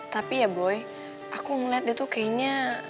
tapi ya bloy aku ngeliat dia tuh kayaknya